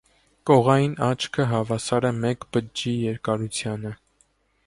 Կողային աչքը հավասար է մեկ բջջի երկարությանը։